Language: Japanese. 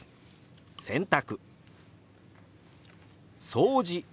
「掃除」。